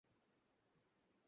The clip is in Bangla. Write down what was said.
বরং তিনি একজন নেককার লোক ছিলেন।